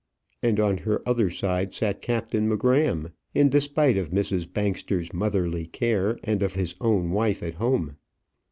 And on her other side, sat Captain M'Gramm, in despite of Mrs. Bangster's motherly care and of his own wife at home.